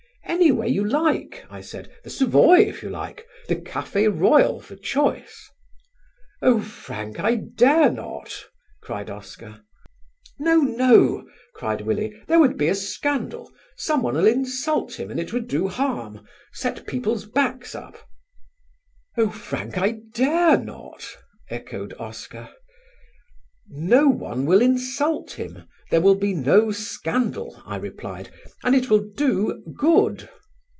"Anywhere you like," I said, "the Savoy if you like, the Café Royal for choice." "Oh, Frank, I dare not," cried Oscar. "No, no," cried Willie, "there would be a scandal; someone'll insult him and it would do harm; set people's backs up." "Oh, Frank, I dare not," echoed Oscar. "No one will insult him. There will be no scandal," I replied, "and it will do good."